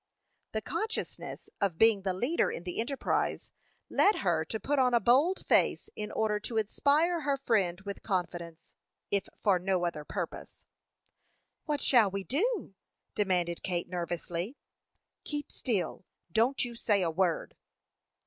The consciousness of being the leader in the enterprise led her to put on a bold face in order to inspire her friend with confidence, if for no other purpose. "What shall we do?" demanded Kate, nervously. "Keep still; don't you say a word."